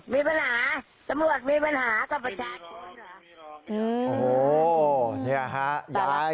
มีปัญหาตำรวจมีปัญหาก็ไปตาย